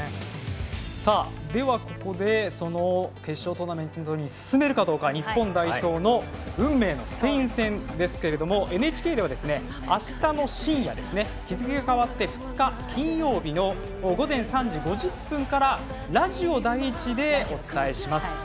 ではここで、決勝トーナメントに進めるかどうか日本代表の運命のスペイン戦ですがＮＨＫでは、あしたの深夜日付が変わって２日金曜日の午前３時５０分からラジオ第１でお伝えします。